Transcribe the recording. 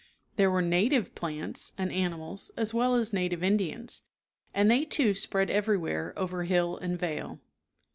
There were native plants and animals as well as native Indians, and they, too, spread everywhere over hill and vale.